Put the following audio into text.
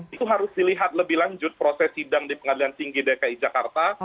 itu harus dilihat lebih lanjut proses sidang di pengadilan tinggi dki jakarta